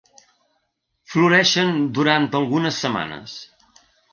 Floreixen durant algunes setmanes.